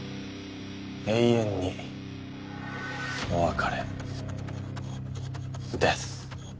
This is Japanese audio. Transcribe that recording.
永遠にお別れデス。